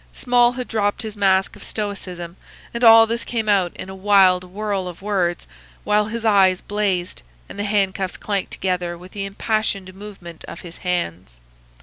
Small had dropped his mask of stoicism, and all this came out in a wild whirl of words, while his eyes blazed, and the handcuffs clanked together with the impassioned movement of his hands.